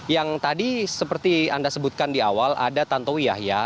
yang tadi seperti anda sebutkan di awal ada tantowi yahya